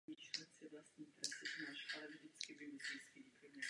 V této sezoně získal svůj první titul mistra světa.